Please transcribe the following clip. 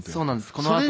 このあと。